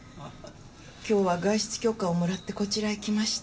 今日は外出許可をもらってこちらへ来ました。